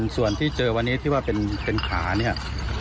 ส่วนที่เจอวันนี้ที่ว่าเป็นขาเนี่ย